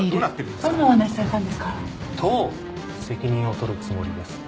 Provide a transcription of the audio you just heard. どう責任を取るつもりですか？